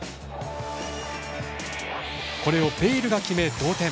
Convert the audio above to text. これをベイルが決め、同点。